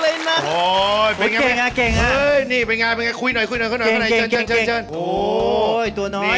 เนี่ยเป็นยังไงคุยหน่อยข้างในเชิญ